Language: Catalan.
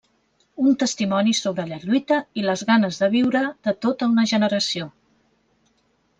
Un testimoni sobre la lluita i les ganes de viure de tota una generació.